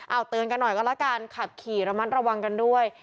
เอาเตือนกันหน่อยก็แล้วกันขับขี่ระมัดระวังกันด้วย